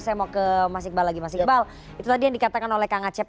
saya mau ke mas iqbal lagi mas iqbal itu tadi yang dikatakan oleh kang acep